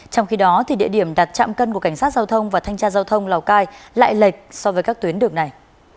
trong khi đó địa điểm đặt trạm cân của cảnh sát giao thông và thanh tra giao thông lào cai lại lệch so với các tuyến đường này